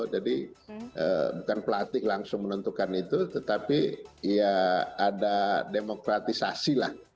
jadi bukan pelatih langsung menentukan itu tetapi ya ada demokratisasi lah